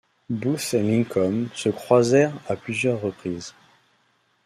Booth et Lincoln se croisèrent à plusieurs reprises.